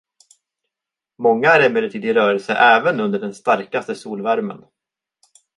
Många är emellertid i rörelse även under den starkaste solvärmen.